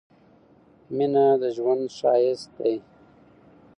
مينه د ژوند ښايست دي